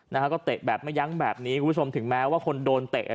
นะฮะก็เตะแบบไม่ยั้งแบบนี้คุณผู้ชมถึงแม้ว่าคนโดนเตะ